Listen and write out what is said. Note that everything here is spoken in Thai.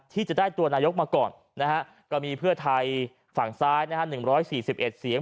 ที่จะได้ตัวนายกก็มีถ่ายฝั่งซ้าย๑๔๑เสียง